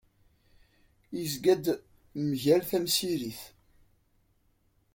Yezga-d mgal temsirit.